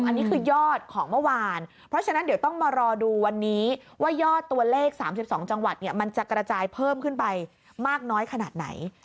อันนี้คือยอดของเมื่อวานเพราะฉะนั้นเดี๋ยวต้องมารอดูวันนี้ว่ายอดตัวเลข๓๒จังหวัดมันจะกระจายเพิ่มขึ้นไปมากน้อยขนาดไหน